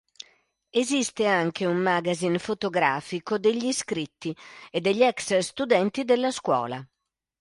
Esiste anche un magazine fotografico degli iscritti ed degli ex studenti della scuola.